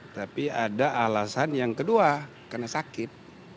tapi ada alasan yang kedua karena sakit